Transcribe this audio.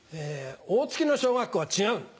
大月の小学校は違う！